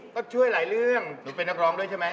ก็ช่วยหลายเรื่องหนูเป็นนักร้องด้วยใช่ไหม